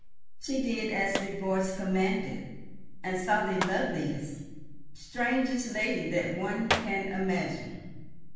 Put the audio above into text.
She did as the voice commanded, and saw the loveliest, strangest lady that one can imagine.